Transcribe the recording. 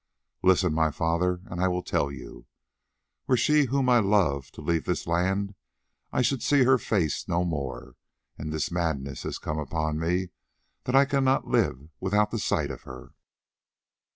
"Listen, my father, and I will tell you. Were she whom I love to leave this land, I should see her face no more, and this madness has come upon me that I cannot live without the sight of her.